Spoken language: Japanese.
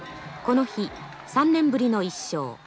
この日３年ぶりの１勝。